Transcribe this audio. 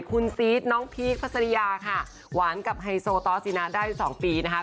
คุณซีสน้องพีคพัสริยาค่ะหวานกับไฮโซตอสซีนะได้๒ปีนะคะ